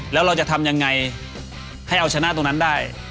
แล้วเราจะทำยังไงให้เอาชนะตรงนั้นได้